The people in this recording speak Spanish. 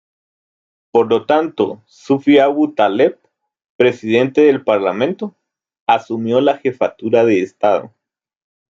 Por lo tanto, Sufi Abu Taleb, Presidente del Parlamento, asumió la jefatura de estado.